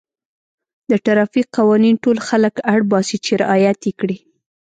د ټرافیک قوانین ټول خلک اړ باسي چې رعایت یې کړي.